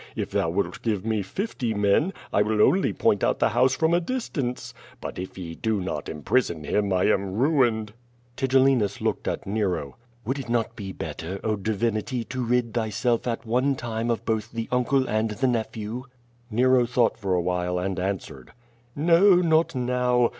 If thou wilt give me fifty men, I vdW only point out the house from a distance. But if ye do not imprison him, I am ruined." Tigellinus looked at Nero. "Would it not be better, oh, Divinity, to rid thyself at one time of both the uncle and the nephew?" Nero thought for a while and answered. "No, not now.